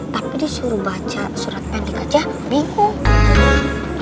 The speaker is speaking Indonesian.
tapi disuruh baca surat yang digajah bingung